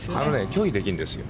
拒否できるんです。